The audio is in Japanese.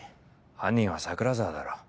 犯人は桜沢だろ。